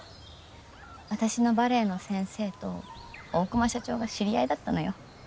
私のバレエの先生と大熊社長が知り合いだったのよ。